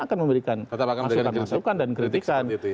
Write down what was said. akan memberikan masukan masukan dan kritikan